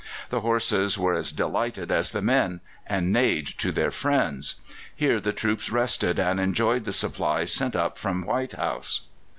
The horses were as delighted as the men, and neighed to their friends. Here the troops rested and enjoyed the supplies sent up from White House.